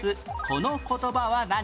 この言葉は何？